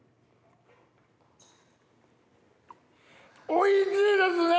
おいしいですね！